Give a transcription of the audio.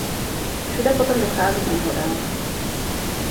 Všude potom dochází k nehodám.